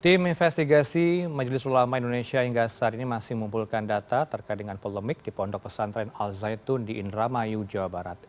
tim investigasi majelis ulama indonesia hingga saat ini masih mengumpulkan data terkait dengan polemik di pondok pesantren al zaitun di indramayu jawa barat